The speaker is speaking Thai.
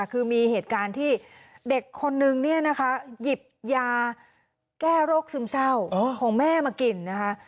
คือมีเหตุการณ์ที่เด็กคนนึงเนี่ยนะคะหยิบยาแก้โรคซึมเศร้าของแม่มากินนะคะ